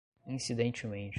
incidentemente